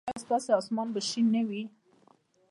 ایا ستاسو اسمان به شین نه وي؟